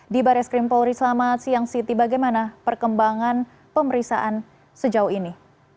di baris krim polri selamat siang siti bagaimana perkembangan pemeriksaan sejauh ini